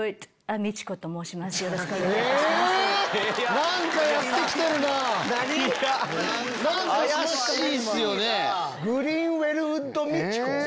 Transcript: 何⁉グリーンウェルウッドミチコ？